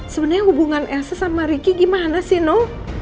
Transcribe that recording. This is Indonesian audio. sebenarnya hubungan elsa sama ricky gimana sih no